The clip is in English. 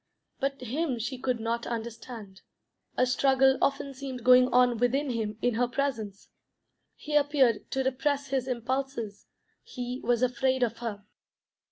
But him she could not understand. A struggle often seemed going on within him in her presence; he appeared to repress his impulses; he was afraid of her.